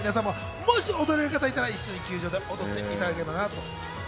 もし踊れる方がいたら、一緒に球場で踊っていただけたらと思います。